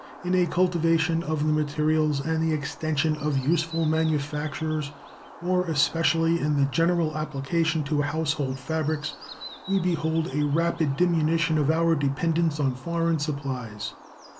In a cultivation of the materials and the extension of useful manufactures, more especially in the general application to household fabrics, we behold a rapid diminution of our dependence on foreign supplies.